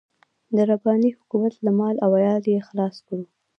د رباني حکومت له مال او عيال يې خلاص کړو.